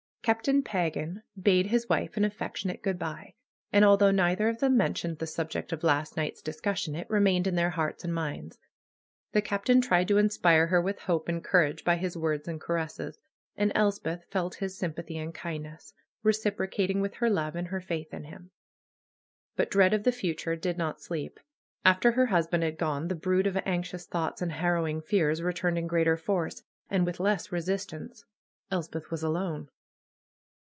Captain Pa gan bade his wife an affectionate good by, and although neither of them mentioned the subject of last night's discussion, it remained in their hearts and minds. The Captain tried to inspire her with hope and courage by his words and caresses. And Elspeth felt his sympathy and kindness, reciprocating with her love and her faith in him. But dread of the future did not sleep. After her husband had gone the brood of anxious thoughts and harrowing fears returned in greater force, and with less resistance. Elspeth was alone.